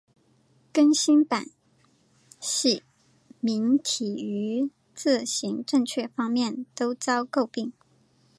更新版细明体于字形正确方面都遭到诟病。